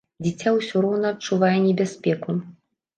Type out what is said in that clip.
Дзіця ўсё роўна адчувае небяспеку.